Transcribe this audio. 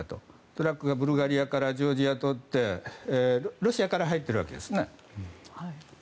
トラックがブルガリアからジョージアを通ってロシアから入っているわけです。